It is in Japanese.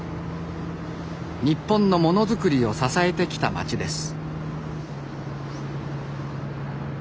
日本のものづくりを支えてきた街です。